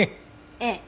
ええ。